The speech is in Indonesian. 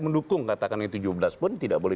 mendukung katakan itu tujuh belas pun tidak boleh